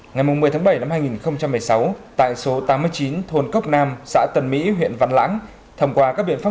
ngày một mươi tháng bảy năm hai nghìn một mươi sáu tại số tám mươi chín thôn cốc nam xã tân mỹ huyện văn lãng thông qua các biện pháp